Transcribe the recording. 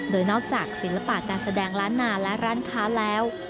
โดยนอกจากศิลปะการแสดงล้านนาและร้านค้าแล้ว